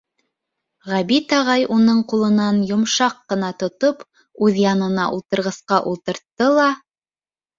Ғәбит ағай уның ҡулынан йомшаҡ ҡына тотоп, үҙ янына ултырғысҡа ултыртты ла: